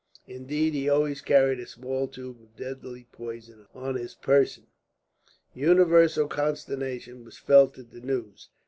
Indeed, he always carried a small tube of deadly poison on his person. Universal consternation was felt at the news.